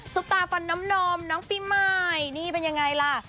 ตาฟันน้ำนมน้องปีใหม่นี่เป็นยังไงล่ะ